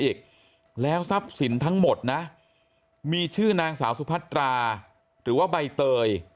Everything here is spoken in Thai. อีกแล้วทรัพย์สินทั้งหมดนะมีชื่อนางสาวสุพัตราหรือว่าใบเตย